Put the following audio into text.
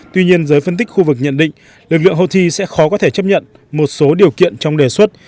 tuy nhiên giới phân tích khu vực nhận định lực lượng houthi sẽ khó có thể chấp nhận một số điều kiện trong đề xuất